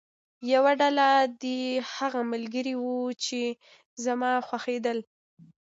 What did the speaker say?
یوه ډله دې هغه ملګري وو چې زما خوښېدل.